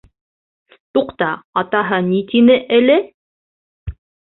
Туҡта, атаһы ни тине эле?